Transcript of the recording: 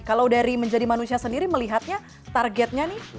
kalau dari menjadi manusia sendiri melihatnya targetnya nih